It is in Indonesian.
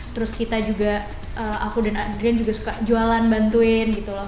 terus kita juga aku dan adrian juga suka jualan bantuin gitu loh